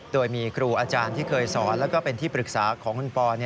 โดยมีครูอาจารย์ที่เคยสอนแล้วก็เป็นที่ปรึกษาของคุณปอ